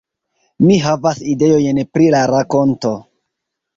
- Mi havas ideojn pri la rakonto